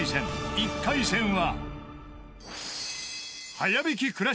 ［１回戦は］